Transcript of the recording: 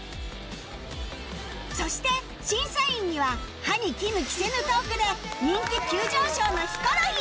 そして審査員には歯に衣着せぬトークで人気急上昇のヒコロヒー